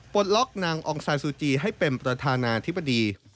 ปลดล็อกนางองซานซูจีให้เป็นประธานาธิบดี